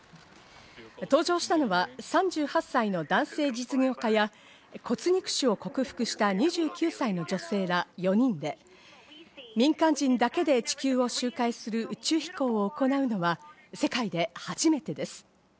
搭乗したのは３８歳の男性実業家や骨肉腫を克服した２９歳の女性ら４人で、民間人だけで地球を周回する宇宙飛行を行うのは世界で初めてです。